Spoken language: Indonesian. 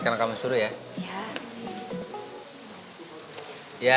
pernah nge soli ya